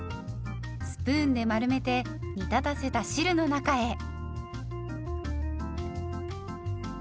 スプーンで丸めて煮立たせた汁の中へ。